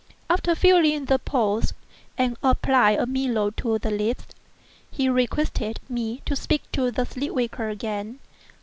After feeling the pulse and applying a mirror to the lips, he requested me to speak to the sleep waker again.